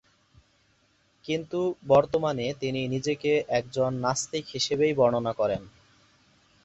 কিন্তু বর্তমানে তিনি নিজেকে একজন নাস্তিক হিসেবেই বর্ণনা করেন।